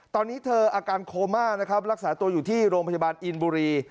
ตอนนี้เธออาการโคม่านะครับรักษาตัวอยู่ที่โรงพยาบาลอินบุรี